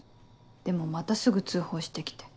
でもまたすぐ通報して来て。